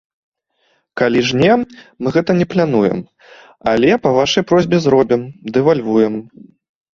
Калі ж не, мы гэта не плануем, але па вашай просьбе зробім, дэвальвуем.